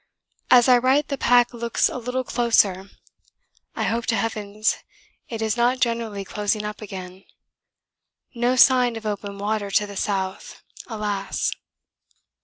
As I write the pack looks a little closer; I hope to heavens it is not generally closing up again no sign of open water to the south. Alas!